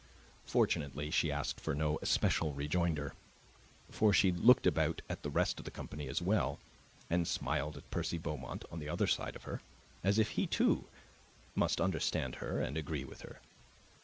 Fortunately she asked for no especial rejoinder, for she looked about at the rest of the company as well, and smiled at Percy Beaumont, on the other side of her, as if he too much understand her and agree with her.